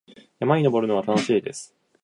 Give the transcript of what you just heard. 山に登るのは楽しいです。